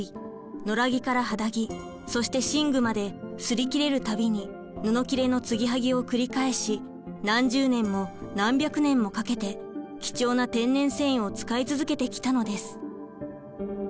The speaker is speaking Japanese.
野良着から肌着そして寝具まですり切れるたびに布きれのつぎはぎを繰り返し何十年も何百年もかけて貴重な天然繊維を使い続けてきたのです。